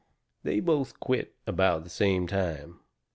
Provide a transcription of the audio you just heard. They both quit about the same time.